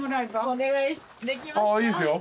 お願いできますか？